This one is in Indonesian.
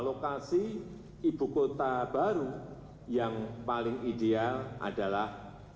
lokasi ibu kota baru yang paling ideal adalah